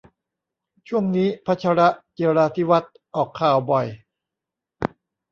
ช่วงนี้ พชร จิราธิวัฒน์ ออกข่าวบ่อย